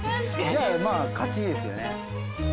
じゃあまあ勝ちですよね。